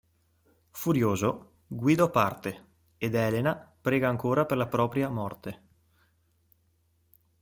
Furioso, Guido parte ed Elena prega ancora per la propria morte.